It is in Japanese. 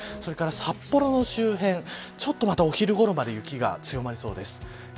それから札幌の周辺ちょっとまたお昼ごろまで雪が強まりそうです。